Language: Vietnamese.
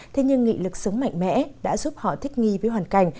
thế nhưng nghị lực sống mạnh mẽ đã giúp họ thích nghi với hoàn cảnh